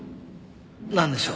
なんでしょう？